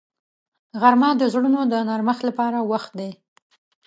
غرمه د زړونو د نرمښت لپاره وخت دی